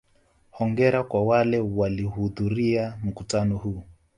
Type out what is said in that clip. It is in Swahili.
Hongera kwa wale walihudhuria mkutano huu.